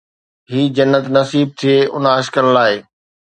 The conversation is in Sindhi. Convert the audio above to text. هي جنت نصيب ٿئي ان عاشقن لاءِ